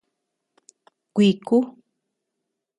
Kuiku.